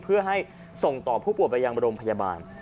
เพื่อให้ส่งต่อผู้ป่วยไปยังโรงพยาบาล